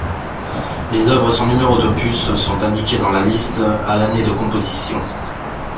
Les œuvres sans numéros d'opus sont indiquées dans la liste à l'année de composition.